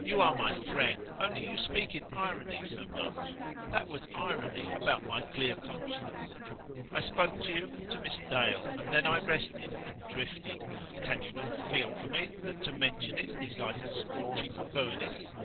"You are my friend. Only you speak in irony so much. That was irony, about my clear conscience. I spoke to you and to Miss Dale: and then I rested and drifted. Can you not feel for me, that to mention it is like a scorching furnace?